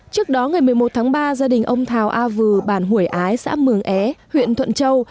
trước đó ngày một mươi một tháng ba gia đình ông thảo a vừ bản hủy ái xã mường é huyện thuận châu